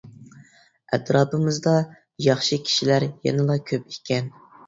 ئەتراپىمىزدا ياخشى كىشىلەر يەنىلا كۆپ ئىكەن.